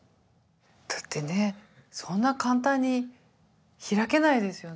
だってねそんな簡単に開けないですよね。